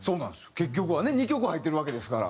結局はね２曲入ってるわけですから。